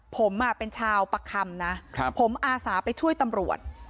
ผมเป็นชาวประคำนะผมอาสาไปช่วยตำรวจ